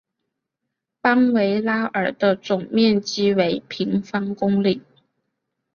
邦维拉尔的总面积为平方公里。